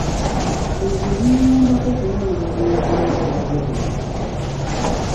Bino bye bimuyambako okunywerera mu mbeera ez’enjawulo.